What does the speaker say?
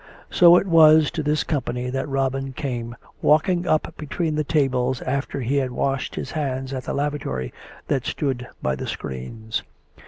So it was to this company that Robin came, walking up between the tables after he had washed his hands at the lavatory that stood by the screens.